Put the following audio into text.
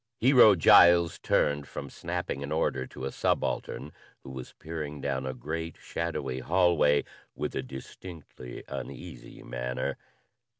Hero Giles turned from snapping an order to a subaltern who was peering down a great, shadowy hallway with a distinctly uneasy manner.